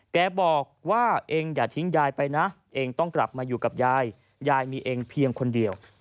แกบอกว่าเองอย่าทิ้งยายไปนะเองต้องกลับมาอยู่กับยายยายมีเองเพียงคนเดียว